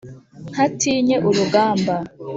ntatinye urugamba